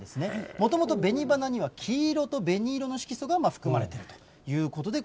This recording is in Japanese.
もともとべに花には黄色と紅色の色素が含まれているということなんですね。